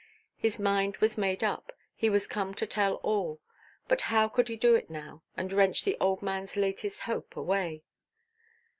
His mind was made up, he was come to tell all; but how could he do it now, and wrench the old manʼs latest hope away?